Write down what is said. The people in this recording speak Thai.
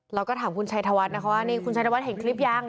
เราก็ถามคุณชัยธวัฒน์นะคะว่านี่คุณชัยธวัฒน์เห็นคลิปยัง